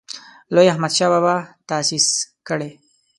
لوی احمدشاه بابا تاسیس کړی.